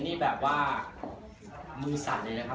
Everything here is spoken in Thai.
เนี้ยแบบว่าเอามือศัลเลยนะ